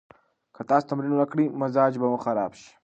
که تاسو تمرین ونه کړئ، مزاج به خراب شي.